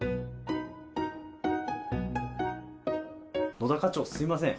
野田課長すみません。